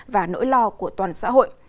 và nỗi lo của toàn xã hội